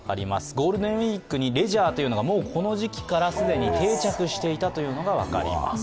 ゴールデンウイークにレジャーというのがもうこの時期から定着していたのが分かります。